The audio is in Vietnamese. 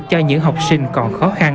cho những học sinh còn khó khăn